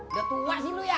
udah tua sih lo ya